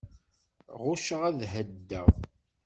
Ɣucceɣ ad ḥeddedeɣ.